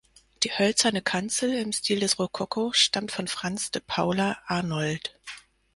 Die hölzerne Kanzel im Stil des Rokoko stammt von Franz de Paula Arnoldt.